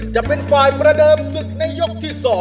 จะเป็นฝ่ายประเดิมศึกในยกที่๒